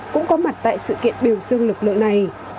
cũng có mặt tại sự kiện biểu dương lực lượng này